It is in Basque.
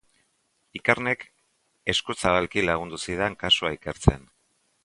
Ikernek eskuzabalki lagundu zidan kasua ikertzen.